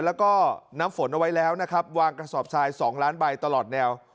แล้วก็น้ำฝนเอาไว้แล้วนะครับวางกระสอบทราย๒ล้านใบตลอดแนว